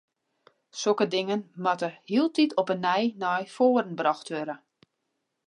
Sokke dingen moatte hieltyd op 'e nij nei foaren brocht wurde.